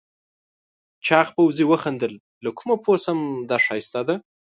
چاغ پوځي وخندل له کومه پوه شم دا ښایسته ده؟